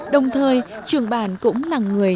đồng thời trường bản cũng là người